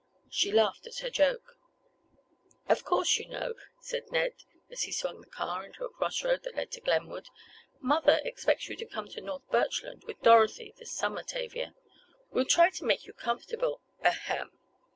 She laughed at her joke. "Of course you know," said Ned, as he swung the car into a cross road that led to Glenwood, "mother expects you to come to North Birchland, with Dorothy, this summer, Tavia. We'll try to make you comfortable—ahem!